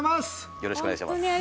よろしくお願いします